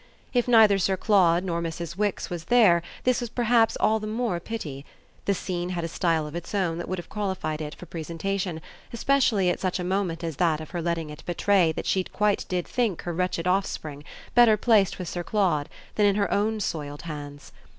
If neither Sir Claude nor Mrs. Wix was there this was perhaps all the more a pity: the scene had a style of its own that would have qualified it for presentation, especially at such a moment as that of her letting it betray that she quite did think her wretched offspring better placed with Sir Claude than in her own soiled hands.